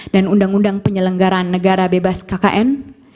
dan undang undang penyelenggaran negara bebas kkn